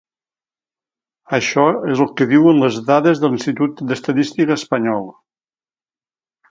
Això és el que diuen les dades de l'Institut d'Estadística espanyol.